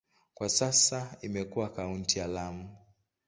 Kwa sasa imekuwa kaunti ya Lamu.